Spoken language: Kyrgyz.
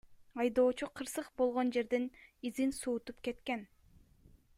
Айдоочу кырсык болгон жерден изин суутуп кеткен.